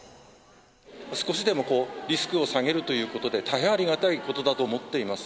少しでもリスクを下げるということで、大変ありがたいことだと思っています。